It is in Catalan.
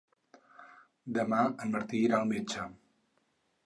Demà en Martí irà al metge.